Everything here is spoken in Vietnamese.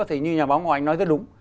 thì như nhà báo ngọc anh nói rất đúng